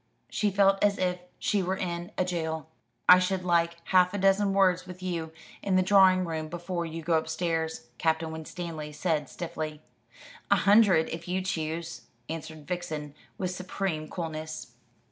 She felt as if she were in a jail. "I should like half a dozen words with you in the drawing room before you go upstairs," Captain Winstanley said stiffly. "A hundred, if you choose," answered Vixen, with supreme coolness.